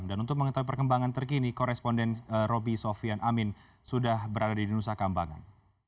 dan untuk mengetahui perkembangan terkini koresponden roby sofian amin sudah berada di nusa kambangan